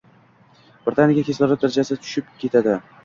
Birdaniga kislorod darajasi tushib ketadi